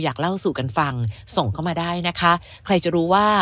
เล่าสู่กันฟังส่งเข้ามาได้นะคะใครจะรู้ว่า